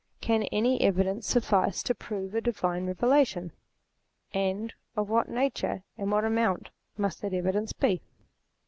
Can any evidence suffice to prove a Divine Revela tion ? And of what nature, and what amount, must that evidence be